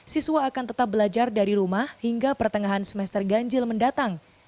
siswa akan tetap belajar dari rumah hingga pertengahan semester ganjil mendatang